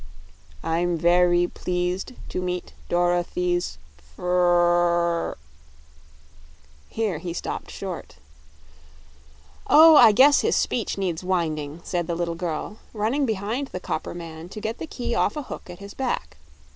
"I'm ve ry pleased to meet Dor o thy's fr r r r " Here he stopped short. "Oh, I guess his speech needs winding!" said the little girl, running behind the copper man to get the key off a hook at his back.